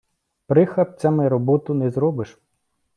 Прихапцями роботу не зробиш.